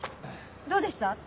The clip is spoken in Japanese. どうでした？